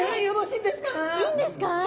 いいんですか？